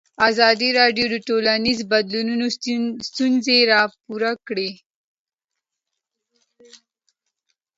ازادي راډیو د ټولنیز بدلون ستونزې راپور کړي.